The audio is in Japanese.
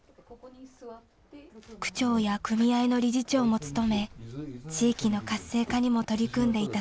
区長や組合の理事長も務め地域の活性化にも取り組んでいた